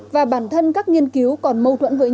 và bản thân các nghiên cứu còn mâu thuẫn